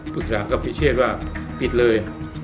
ปรึกษากับพิเชษว่าปิดเลย